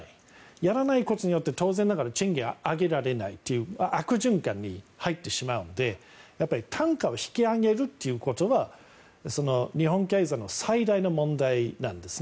やらないことによって当然ながら賃金を上げられないという悪循環に入ってしまうので単価を引き上げるということが日本経済の最大の問題なんですね。